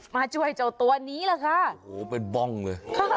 มาช่วยเจ้าตัวนี้แหละค่ะโอ้โหเป็นบ้องเลย